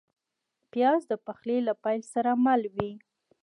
پیاز د پخلي له پیل سره مل وي